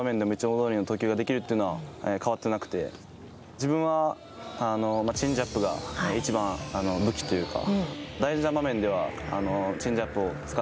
自分はチェンジアップが一番の武器というか。